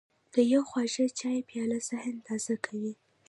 د یو خواږه چای پیاله ذهن تازه کوي.